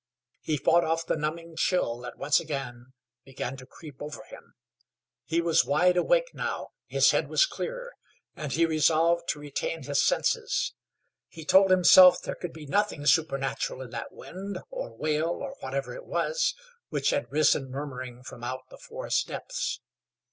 He fought off the numbing chill that once again began to creep over him. He was wide awake now; his head was clear, and he resolved to retain his senses. He told himself there could be nothing supernatural in that wind, or wail, or whatever it was, which had risen murmuring from out the forest depths.